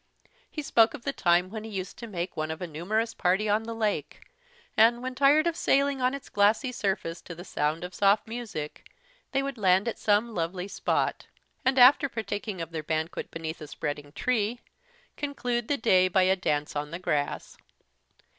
He spoke of the time when he used to make one of a numerous party on the lake, and, when tired of sailing on its glassy surface to the sound of soft music, they would land at some lovely spot; and, after partaking of their banquet beneath a spreading tree, conclude the day by a dance on the grass.